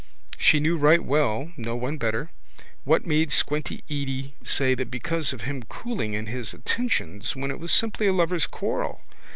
She knew right well, no one better, what made squinty Edy say that because of him cooling in his attentions when it was simply a lovers' quarrel.